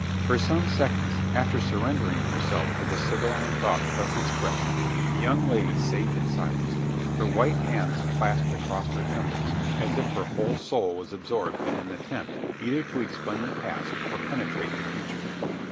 For some seconds, after surrendering herself to the Sybilline thoughts thus expressed, the young lady sate in silence her white hands clasped across her temples, as if her whole soul was absorbed in an attempt, either to explain the past, or penetrate the future.